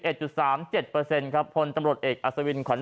จุดสามเจ็ดเปอร์เซ็นต์ครับพลตำรวจเอกอัศวินขวัญ